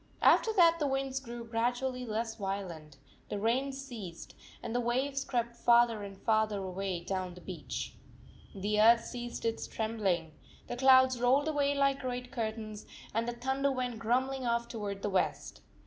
After that the winds grew gradually less violent, the rain ceased, and the waves crept farther and farther away down the beach. The earth ceased its trembling. The clouds rolled away like great curtains, and the thunder went grumbling off toward the west.